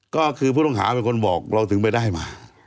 ก็คือผู้ต้องหาเป็นคนบอกเราถึงไปได้มา